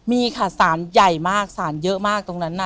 มีค่ะสารใหญ่มากสารเยอะมากตรงนั้นน่ะ